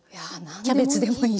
キャベツでもいいし。